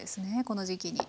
この時期に。